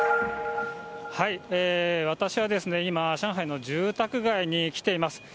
私は今、上海の住宅街に来ています。